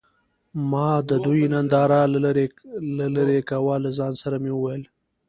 ما د دوي ننداره له لرې کوه له ځان سره مې وويل.